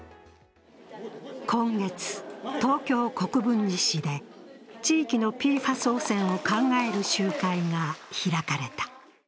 今月、東京・国分寺市で地域のＰＦＡＳ汚染を考える集会が開かれた。